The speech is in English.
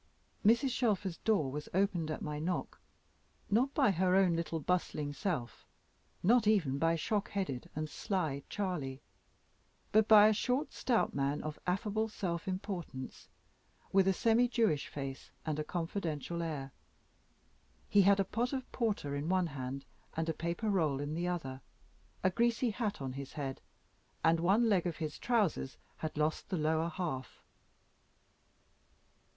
Mrs. Shelfer's door was opened at my knock, not by her own little bustling self, nor even by shock headed and sly "Charley," but by a short stout man of affable self importance, with a semi Jewish face, and a confidential air. He had a pot of porter in one hand and a paper roll in the other, a greasy hat on his head, and one leg of his trousers had lost the lower half.